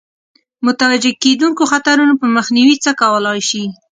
متوجه کېدونکو خطرونو په مخنیوي څه کولای شي.